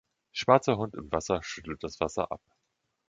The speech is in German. Schwarzer Hund im Wasser schüttelt das Wasser ab.